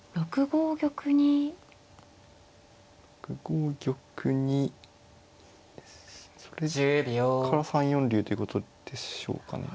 ６五玉にそれから３四竜ということでしょうかね。